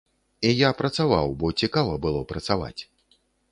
І я працаваў, бо цікава было працаваць.